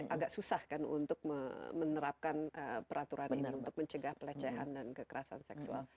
agak susah kan untuk menerapkan peraturan ini untuk mencegah pelecehan dan kekerasan seksual